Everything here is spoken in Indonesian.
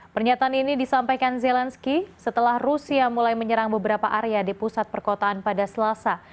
pernyataan ini disampaikan zelensky setelah rusia mulai menyerang beberapa area di pusat perkotaan pada selasa